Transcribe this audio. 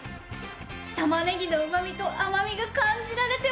玉ねぎのうまみと甘みが感じられておいしい！